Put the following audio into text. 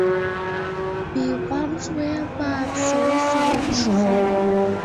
Биҟәамҵуеи, абааԥс, аусура мшха!